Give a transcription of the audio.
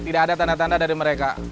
tidak ada tanda tanda dari mereka